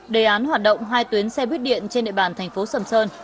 đề án hoạt động hai tuyến xe buýt điện trên địa bàn thành phố sầm sơn